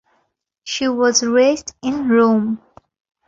She was raised in Rome.